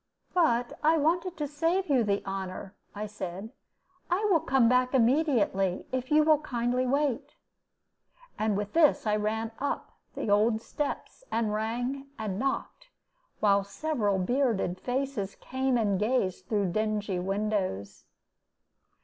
"But I wanted to save you the honor," I said. "I will come back immediately, if you will kindly wait." And with this I ran up the old steps, and rang and knocked, while several bearded faces came and gazed through dingy windows.